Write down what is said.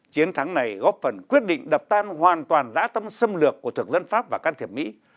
chiến thắng này góp phần quyết định đập tan hoàn toàn dã tâm xâm lược của thực dân pháp và can thiệp mỹ